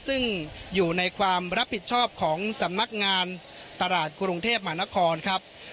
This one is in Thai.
ซึ่งอยู่ในความรับผิดชอบของสำนักงานตลาดกรุงเทพมหานครครับ